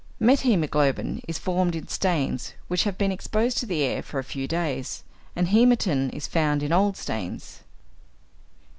Methæmoglobin is formed in stains which have been exposed to the air for a few days, and hæmatin is found in old stains.